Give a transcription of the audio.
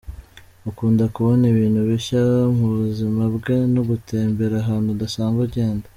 Akunda kubona ibintu bishya mu buzima bwe no gutembera ahantu adasanzwe agenda.